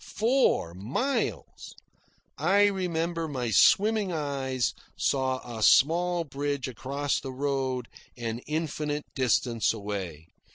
Four miles! I remember my swimming eyes saw a small bridge across the road an infinite distance away.